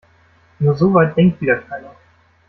Nur so weit denkt wieder keiner.